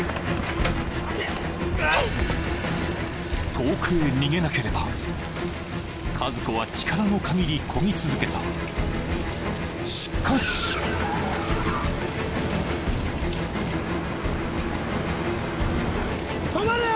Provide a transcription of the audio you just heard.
遠くへ逃げなければ和子は力のかぎりこぎ続けたしかし止まれ！